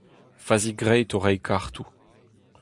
Fazi graet o reiñ kartoù.